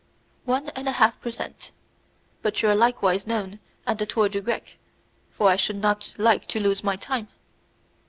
"One and a half per cent. but are you likewise known at the Tour du Grec, for I should not like to lose my time?"